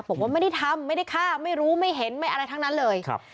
บอกว่าไม่ได้ทำไม่ได้ฆ่าไม่รู้ไม่เห็นไม่อะไรทั้งนั้นเลย